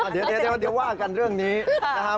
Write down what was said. เดี๋ยวว่ากันเรื่องนี้นะครับ